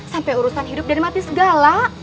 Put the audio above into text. sampai urusan hidup dari mati segala